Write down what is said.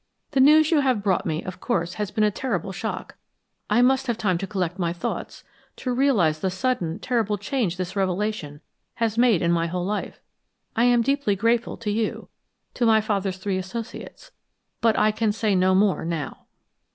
The news you have brought me of course has been a terrible shock. I must have time to collect my thoughts, to realize the sudden, terrible change this revelation has made in my whole life. I am deeply grateful to you, to my father's three associates, but I can say no more now."